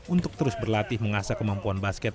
untuk terus berlatih mengasah kemampuan basket